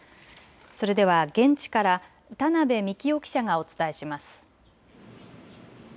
それでは現地から田辺幹夫記者がお伝えします。